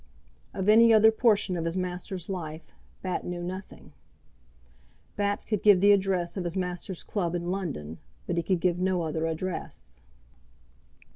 Of any other portion of his master's life Bat knew nothing. Bat could give the address of his master's club in London, but he could give no other address.